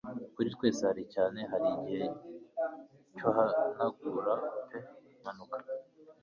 Kuri twe hasi cyane harigihe cyohanagura pe manuka